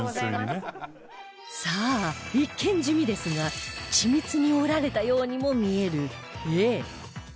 さあ一見地味ですが緻密に織られたようにも見える Ａ